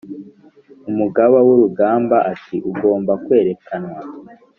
umugaba wurugamba ati"ugomba kwerekanwa